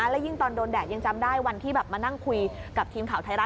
และยิ่งตอนโดนแดดยังจำได้วันที่แบบมานั่งคุยกับทีมข่าวไทยรัฐ